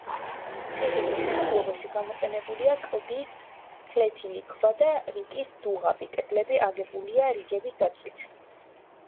ციხის მშენებლობაში გამოყენებულია კლდის ფლეთილი ქვა და კირის დუღაბი, კედლები აგებულია რიგების დაცვით.